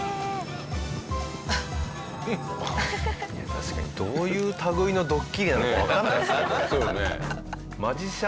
確かにどういう類いのドッキリなのかわからないですねこれ。